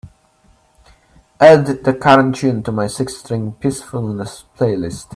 add the current tune to my Six string peacefulness playlist